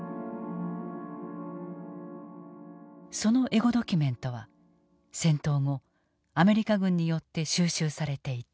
そのエゴドキュメントは戦闘後アメリカ軍によって収集されていた。